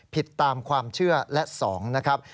ผิดตามความเชื่อและ๒นะครับ